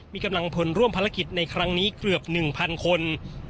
มีกำลังพลร่วมภารกิจในครั้งนี้เกือบ๑๐๐คน